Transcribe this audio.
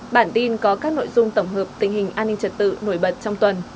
bản tin có các nội dung tổng hợp tình hình an ninh trật tự nổi bật trong tuần